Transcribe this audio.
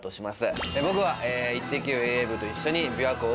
僕は。